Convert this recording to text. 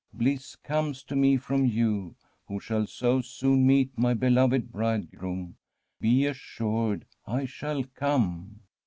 Bliss comes to me from you, who shall so soon meet my beloved Bridegroom. Be assured I shall come.'